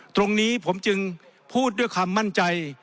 ตรงนี้ผมจึงพูดด้วยความมั่นใจ